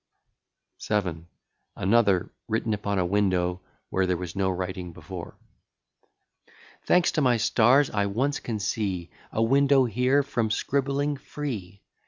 VII. ANOTHER WRITTEN UPON A WINDOW WHERE THERE WAS NO WRITING BEFORE Thanks to my stars, I once can see A window here from scribbling free!